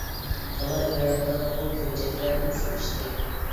تالاي ھاياتلىق بۇ كۆلچەكلەردىن سۇ ئىچتى.